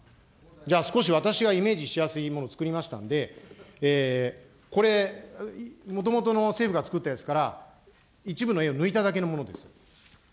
じゃあ、少し私がイメージしやすいものをつくりましたので、これ、もともとの政府が作ったやつから、一部の絵を抜いただけのものです。